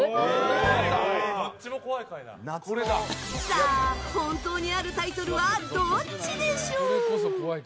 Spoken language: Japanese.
さあ、本当にあるタイトルはどっちでしょう？